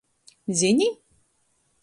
Zini?